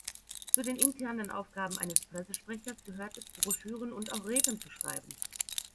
Zu den internen Aufgaben eines Pressesprechers gehört es, Broschüren und auch Reden zu schreiben.